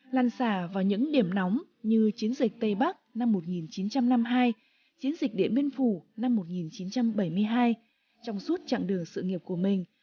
lăn xả vào những điểm nóng như chiến dịch tây bắc năm một nghìn chín trăm năm mươi hai chiến dịch điện biên phủ năm một nghìn chín trăm bảy mươi hai trong suốt chặng đường sự nghiệp của mình